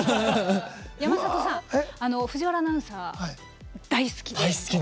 山里さん藤原アナウンサー、大好きで。